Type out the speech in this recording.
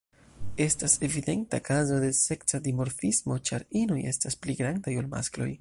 Estas evidenta kazo de seksa dimorfismo, ĉar inoj estas pli grandaj ol maskloj.